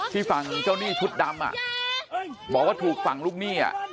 ที่ฝั่งเจ้าหนี้ชุดดำบอกว่าถูกฝั่งลูกหนี้